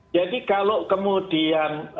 jadi kalau kemudian